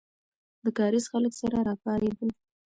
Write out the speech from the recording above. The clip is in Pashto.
د کارېز خلک سره راپارېدل.